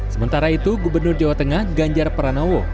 sementara itu gubernur jawa tengah ganjar pranowo